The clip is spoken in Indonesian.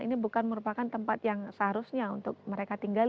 ini bukan merupakan tempat yang seharusnya untuk mereka tinggal